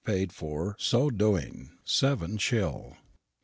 Pade forr so doeing, sevven shill."